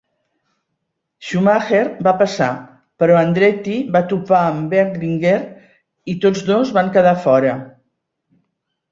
Schumacher va passar, però Andretti va topar amb Wendlinger i tots dos van quedar fora.